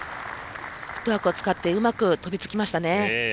フットワークを使ってうまく飛びつきましたね。